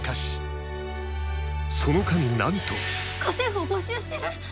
その神なんと家政婦を募集してる！？